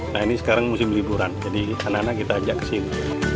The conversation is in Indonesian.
nah ini sekarang musim liburan jadi anak anak kita ajak ke sini